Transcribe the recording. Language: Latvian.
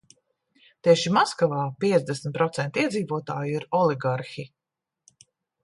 Tieši Maskavā piecdesmit procenti iedzīvotāju ir oligarhi.